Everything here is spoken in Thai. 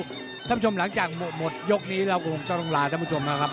ท่านผู้ชมหลังจากหมดยกนี้เราคงต้องลาท่านผู้ชมนะครับ